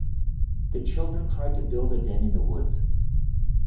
The children tried to build a den in the woods